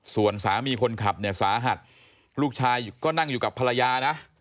ส่วนสามีคนขับเนี่ยสาหัสลูกชายก็นั่งอยู่กับภรรยานะ